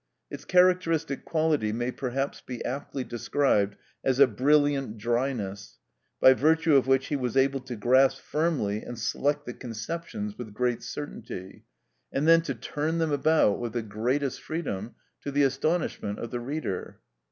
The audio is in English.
Its characteristic quality may perhaps be aptly described as a brilliant dryness, by virtue of which he was able to grasp firmly and select the conceptions with great certainty, and then to turn them about with the greatest freedom, to the astonishment of the reader.